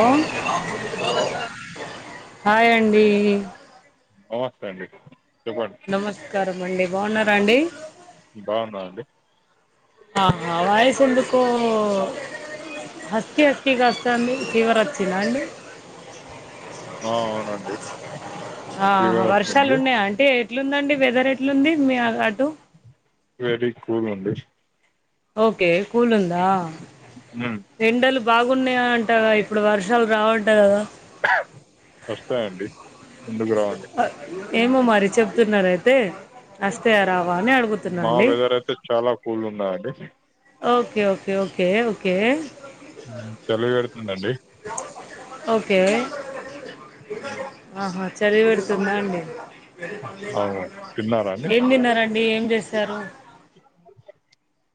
Hello hello hi అండి నమస్తే అండి చెప్పండి నమస్కారం అండి బాగున్నారా అండి బాగున్నా అండి ఆహా వాయిసు ఎందుకో హస్కిీ హస్కి కాచ్చండి ఫీవర్ వచ్చిందా అండి ఆ అవునండి ఆ ఫీవర్ వర్షాలు వచ్చింది ఉన్నాయా అంటే ఎట్లుందండి వెదర్ ఎట్లుంది మీ అ అటు వెరి కూల్ అండి ఓకే కూల్ ఉందా ఉమ్ ఎండలు బాగున్నాయంట గ ఇప్పుడు వర్షాలు రావంటా కదా వస్తాయండి ఎందుకు రావండి అ, ఏమో మరి చెప్తున్నారైతే వస్తయ రావా అని మా అడుగుతున్నాఅండి వెదర్ అయితే చాలా కూల్ ఉన్నదండి ఓకే ఓకే ఓకే ఓకే చలి పెడుతుందండి ఓకే అహ చలీ పెడుతుందా అండి అవును తిన్నారా అండి ఏం తిన్నారండి ఏం చేసరు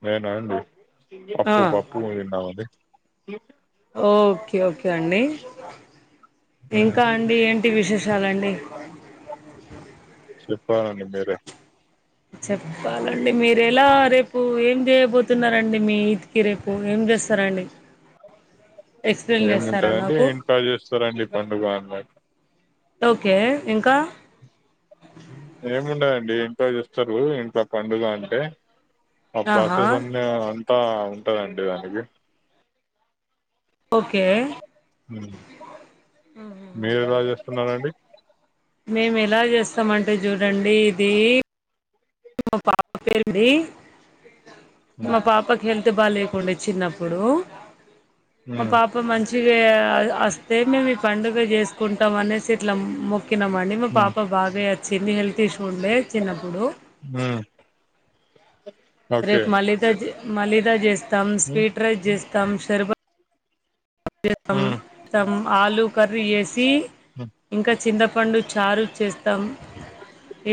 నేన అండి పప్పు పప్పు తిన్నా అండి ఓకే ఓకే అండి ఉమ్ ఇంకా అండి ఏంటి విశేష షాలండి చెిప్పలండి మీరే చెప్పాలండి మీరు ఎలా రేపు ఏం చేయబోతున్నారండి మీ ఇంటికి రేపు ఏం స్తారండి ఏముంటాదంతే ఎం [unintelligible] చేస్తారండి పండుగ అందరు ఓకే ఇంకా ఏముండదండి ఇంట్లో చేస్తారు ఇంట్లో పండుగ అంటే ఆ ఆహా ప్లాస్టెస్ అన్ని అంతా ఉంటదండి దానికి ఓకే మీరు ఎలా చేస్తున్నారండి మేము ఎలా చేస్తామంటే చూడండి ఇది మా పాప డి మా పాపకి హే ల్త్ బాలేకుండే చిన్నప్పుడు మా మ్మ్ పాప మంచిగఅస్తే మేమ్ పండుగ చేసుకుంటాం అనేసి ఇట్లా మొక్కినామండి మా మ్మ్ పాప బాగై చింది హెల్త్ ఇష్యూ ఉండే చిన్నప్పుడు ఆ రేపు మ మలిదా చేస్తాం మ్మ్ స్వీట్ రైస్ చేస్తాం షర్బ మ్మ్ తం ఆలు కర్రీ చేేసి ఇంకా చింతపండు చారు చేస్తాం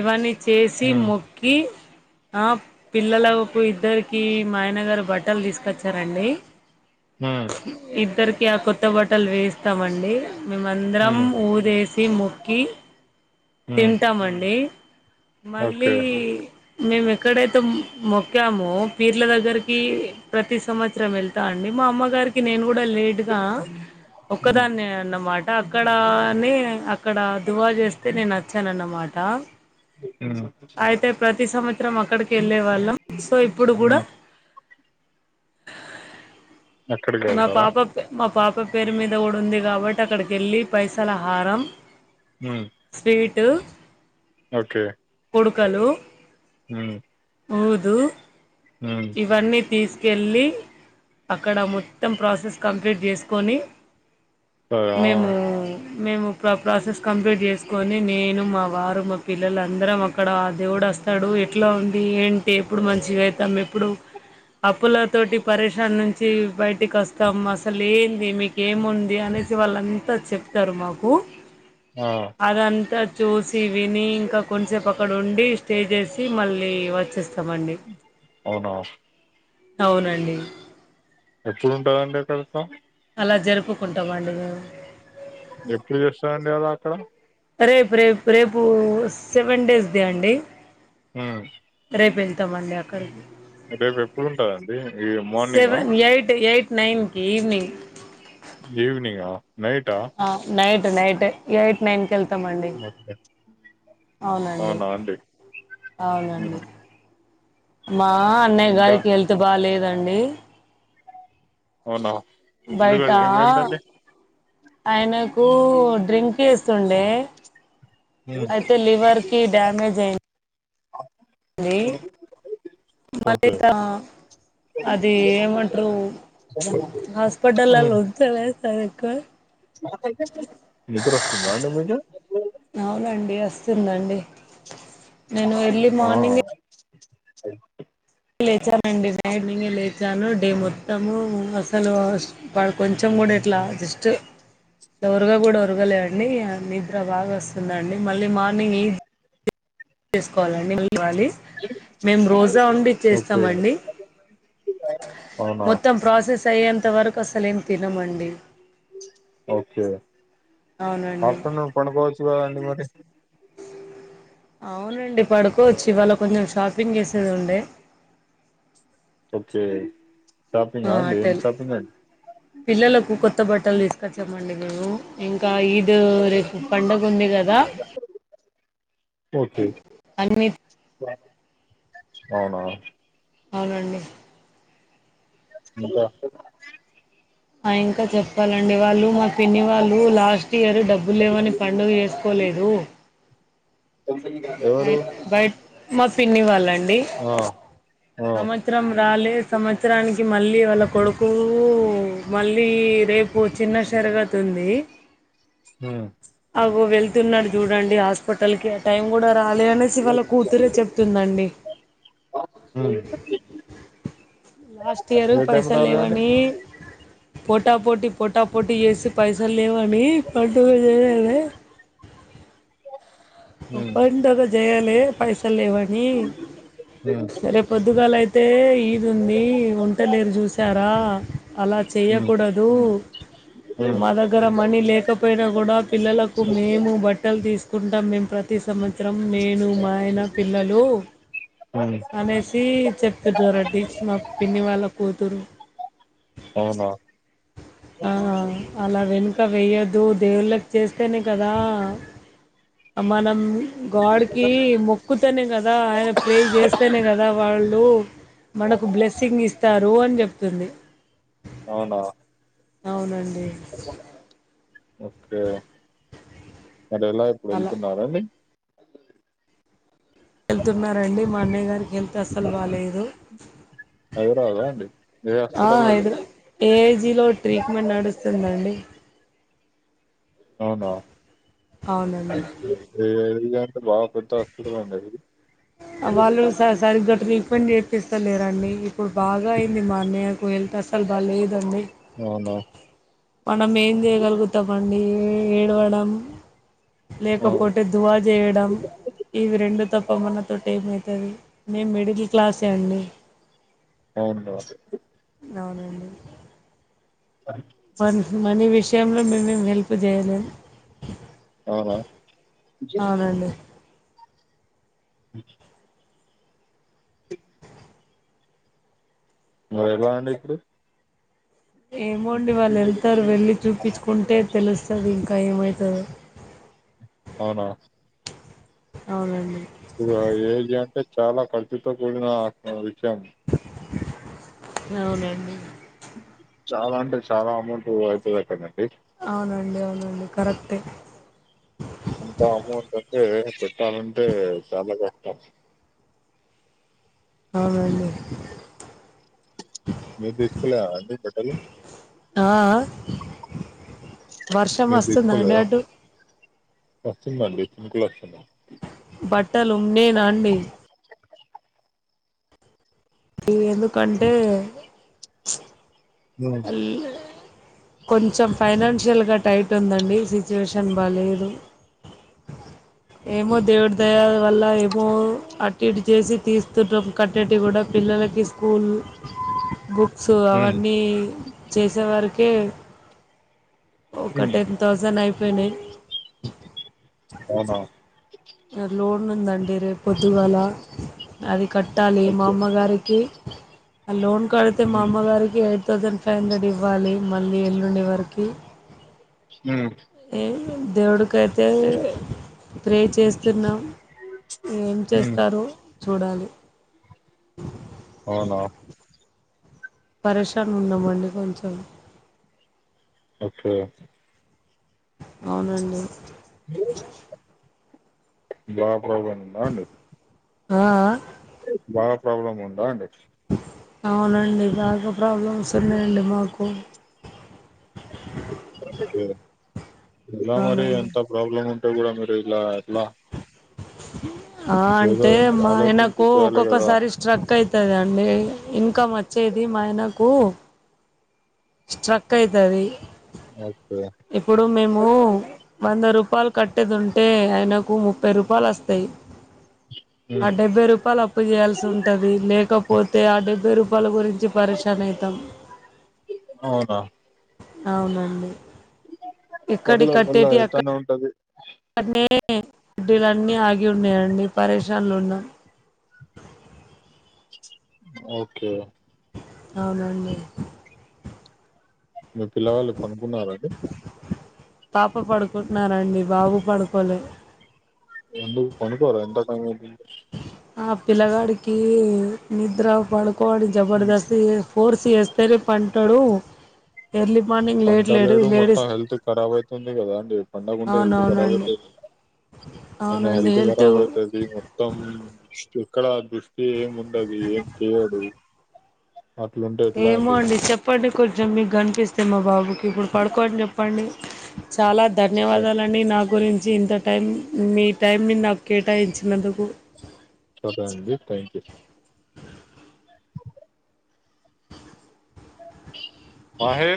ఇవన్నీ చేసి మ్మ్ మొక్కి ఆ పిల్లలకు ఇద్దరికి మా ఆయన గారు బట్టలు తీసుకొచ్చారండి మ్మ్ ఇద్దరికి ఆ కొత్త బట్టలు వేయిస్తామండి మేమందరం మ్మ్ ఊదేసి మొక్కి మ్మ్ తింటామండి మళ్ళీ ఓకే మేము ఎక్కడైతే మొక్కామో పీర్ల దగ్గరికి ప్రతి సంవత్సరం వెళ్తా అండి మా అమ్మగారికి నేను కూడా లేట్గా మ్మ్ ఒక్కదాన్నే అన్నమాట అక్కడనే అక్కడ దువా చేస్తే నేనోచ్చానన్నమా ఆ అయితే ప్రతి సంవత్సరం అక్కడికి వెళ్ళే వాళ్ళం సో ఇప్పుడు కూడా మ్మ్ అక్కడికి మా వెళ్తారా పాప మా పాప పేరు మీద కూడా ఉంది కాబట్టి అక్కడిక్ కిల్లి పైసల హారం మ్మ్ స్వీటు ఓకే కుడుకలు ఊ ఊదు ఇవన్నీ తీసుకెళ్ళి అక్కడ ము మొత్తం ప్రాసెస్ కంప్లీట్ చేసుకొని సరే ఆ మేము మేము ప్ర ప్రాసెస్ కంప్లీట్ చేసుకొని నేను మా వారు మా పిల్లలు అందరం అక్కడ ఆ దేవుడు రస్తాడు ఎట్లా ఉంది ఏంటి ఎప్పుడు మంచిగా అయితాం ఎప్పుడు అప్పుల తోటి పరేషన్ నుంచి బయట ఇంటి కస్తాం అసలు ఏంది మీక ఏముంది అనేసి వాళ్ళంతా చెప్తారు మాకు ఆ అదంత చూసి విని ఇంకా కొద్ది సేపు అక్కడ ఉండి స్టే చేసి మళ్ళీ వచ్చే అవునా అవునండి ఎప్పుడుంటదండి తెలుసా అలా జరుపుకుంటాం అండి మేము ఎప్పుడు చేస్తాారండి అదీ అక్కడ రేపు రేపు రేపు సెవెన్ డేస్ దే అండి ఆ రేపు వెళ్తామండి అక్కడికి రేపు ఎప్పుడుంటదండి ఈ మార్నింగ్ ఆ సెవెన్ ఎయిట్ ఎయిట్ నైన్కి ఈవినింగ్ ఈవనింగా ఆ నైట్ నైట్ ఎయిట్ నైన్ కల్ అవునండి అవునాండి అవునండి మా అన్నయ్య గారికి హెల్త్ బాగా లేదండి అవునా బయటా ఎందుకండి ఏమైందండి ఆయన ఓ డ్రింక్ ఏస్తుండే మ్మ్ అయితే లివర్ కి డ్యామేజ్ అయింది [unintelligible] మళ్ళీ ఓకే ఇట అది ఏమంట్రు హాస్పిటల్ [unintelligible] సరి నిద్రొస్తుందా అండి మీకు అవునండి వస్తుందండి నేను ఎర్లీ మార్నింగే స లేచానండి నైట్నింగ్ లేచాను డే మొత్తము పడు అసలు కొంచెం కూడా ఇట్లా జస్ట్ ఒరగ కూడా ఒరగలేడు అండి నిద్ర బాగా వస్తుందండి మళ్ళీ మార్నింగే చేసుకోవాలండి మళ్ళీ మేము రోజా ఉండి ఓకే చేస్తామండి అవునా మొత్తం ప్రాసెస్ అయ్యే కసలేం తినమండి ఓకే అవునండి ఆఫ్టర్నూన్ పడుకోవచ్చు కదండి మరి అవునండి పడుకోవచ్చు ఇవాళ కొంచెం షాపింగ్ చేసేది ఉండే ఓకే షాపింగ్ ఆ ఏం షాపింగ్ అండీ పిల్లలకు కొత్త బట్టలు తీసుకొచ్చామండి మేము ఇంకా ఈద్ రేపు పండుగ ఉంది కదా [unintelligible] ఓకే అన్ని అవునా అవునండి [unintelligible] ఆ ఇంకా చెప్పాలండి డి వాళ్ళు మా పిన్నివాళ్ళు లాస్ట్ ఇయర్ డబ్బు లేవని పండుగ చేసుకోలేదు ఇంకా అ ఎవరు బయ మా పిన్నివాళ్ళండి ఆ ఆ సంవత్సరం రాలే సంవత్సరానికి మళ్ళీ వాళ్ళ కొడుకు మళ్ళీ రేపు చిన్న షారగతు ఉంది హ్మ్ అగో వెళ్ తున్నాడు చూడండి హాస్పిటల్ కి ఆయా టైం కూడా రాలే అనేసి వల్ల కూతురే చెప్తుందండి ఉ లాస్ట్ ఇయరు పైసలు రాలేదండి లేవని పోటా పోటీ పోటా పోటీ చేేసి పైసలు లేవని పండుగ చేయాలె హ్మ్ పండగ చేయాలే పైసలు లేవని హ్మ్ సరే పొద్దుగాల అయి అయితే ఈది ఉంది ఉంటాలేరు చూసారా అలా హ్మ్ చేయ్యకూడదు హ్మ్ మా దగ్గర మనీ లేకపోయినా కూడా పిల్లలకు మేము బట్టలు తీస్తం తీసుకుంటాం మేము ప్రతి సంవత్సరం నేను మాయన పిల్లలు హ్మ్ అనేసి చెప్తున్నారు రండి మా పిన్ని వాళ్ళ కూతురు అవునా ఆ అలా వెనుక వేయ్యొద్దు దేవుళ్ళకి చేస్తేనే కదా మనము గాడ్కి మొక్కుతనే కదా ఆయన ప్రే చేస్తేనే కదా వాళ్ళు మనకు బ్లెస్సింగ్ ఇస్తారు అని చెప్తుంది అవునా అవునండి ఓకే మరి ఎలా ఇప్పుడు అలా వెళ్తున్నారండి [unintelligible] వెళ్తున్నారండి మా అన్నయ్య గారికి హెల్త్ అస్సలు బాలేదు హైదరాబాదా అండి ఏ ఆ హాస్పిటల్ అండి హైదరాబాద్ ఏఐజీలో ట్రీట్మెంట్ నడుస్తుందండి అవునండి అవునాఏఐజి అంటే బాగా పెద్ద హాస్పిటల్ అండి ఆది వాళ్ళు సరిగ్గా ట్రీట్మెంట్ చేపిస్తలేరండి ఇప్పుడు బాగా అయింది మా అన్నయ్య ఇప్పుడు హెల్త్ అస్సలు బాలేదండి అవునా మనం ఏం చేయగలుగుతామండి ఏడవడం ఆ లేకపోతే దువా చేయడం ఇవి రెండు తప్ప మనతో ఏమై మీము మిడిల్ క్లాస్ అండి అవునా అవునండి మ మనీ విషయంలో మీము ఎం హెల్ప్ చేయలేము అవునా అవునండి [unintelligible] మరి ఎలా అండి ఇప్పుడు ఏమోండి వాళ్ళు వెళ్తారు వెళ్లిి చూపించుకుంటే తెలుస్తుంది ఇంకా ఏమవుతదో అవునా అవునండి అ ఏజ్ అంటే చాలా ఖర్చుతో అ కూడిన విషయం అవునండి చాలా అంటే చాలా అమౌంట్ అయితది అక్కడండి అవునండి అవునండి కరెక్టే అంత అమౌంట్ అంటే పెట్టాలంటే చాలా కష్టం అవునండి మీరు తీసుకోలేద అండి బట్టలు ఆ అ వర్షం మీరు వస్తుందా అండి తీసుకోలేదా అటు చినుకులోస్తున్నాయి బట్టలు ఉన్నేన అండి ఇ ఎందుకంటే హ కొంచెం ఫైనాన్షియల్గా టైట్ ఉందండి సిచ్యువేషన్ బాగాలేదు [inaudible] ఏమో దేవుడి దయావళ్ళ ఏమో అటు ఇటు చేసి తీస్తుంటం కట్టటియి కూడా పిల్లలకి స్కూల్ బుక్స్ హ్మ్, అవన్నీ చేసేవ రాకే ఒక హ్మ్, హ్మ్. టెన్ థౌసండ్ అయిపోయినాయి అవున లోన్ ఉందండి రేపు పొద్దుగాల అది కట్టాలి మా ఓకే అమ్మగారికి లోన్ కడితే మా హ్మ్, అమ్మగారికి ఎయిట్ థౌసండ్ ఫైవ్ హుం్రేడ్ ఇవ్వాలి మళ్ళీ ఎల్లుండి వరకి మ్ దేవుడికైతే ప్రేర్ చేస్తున్నాం ఏం హ్మ్. చేస్తారో చూడాలి అవునా పరేషాన్ ఉన్నామండి కొంచెం ఓకే అవునండి [unintelligible] అండి ఆ ఆ ప్రాబ్లమ్ ఉందా అండి అవునండి బాగా ప్రాబ్లమ్స్ ఉన్నాయండి మాకు ఓకే ఇలా మరి అవునండి ఎంత ప్రాబ్లం ఉంటే కూడా మీరు ఇలా ఎట్లా ఆ ఏదో అంటే మా ఆలోచించి ఆయనకు చేయాలి కదా ఒక్కొక్కసారి స్ట్రక్ అయి తదండి ఇన్కం వచ్చేది మా ఆయనకు స్ట్రక్ అయితది ఓ ఇప్పుడు మేము వంద రూప్ పాయలు కట్టేదింటే ఆయనకు ముప్పై రూపాయలు వస్తాయి ఆ ఉమ్. డెబ్బై రూపాయలు అప్పు చేయాల్సి ఉంటది లేకపోతే ఆ డెబ్బై రూపాయల గురి పరిషాన్ అయితం అవునా అవునండి ఇక్కడి పర్లే పర్లే కట్టేటి అక్క అయితానే ఉంటది అనే ఏద్దులన్ని ఆగి ఉన్నాయండి పరేేశాన్ లో ఉన్నాం ఓకే అవునండి మీ పిల్లవాళ్ళు [unintelligible] పాప పడుకుంటున్నారండి బాబు పడుకోలే [unintelligible] ఆ పిల్లగాడికి నిద్ర పడుకోడు జబర్దస్త్ ఫోర్స్ చేస్తేనే పంటడు పంట లేడు మొత్తం హెల్త్ ఖరాబ్ అయితది కదా అండి పండకుంటే హెల్త్ రాబ్ అవునవునండి అయితుంది అ అవునండి హెల్త్ హెల్థఖరాబ్ అయితది మొత్తం ఇక్కడ దృష్టి ఎం ఉండదు ఏం చెయడు ఏమో అండి చెప్ కొంచెం మీకు కనిపిస్తే మా బాబుకి ఇప్పుడు పడుకో అని చెప్పండి చాలా సరే ధన్యవాదాలండి నా గురించి ఇంత టైం మీ టైంని నాకు కేటాయించినందుకు సరే అండి థ్యాంక్ [unintelligible] [unintelligible]